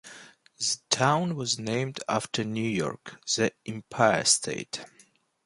The town was named after New York, the "Empire State".